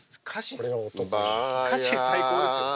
これ歌詞最高ですよね。